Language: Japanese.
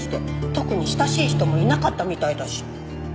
特に親しい人もいなかったみたいだし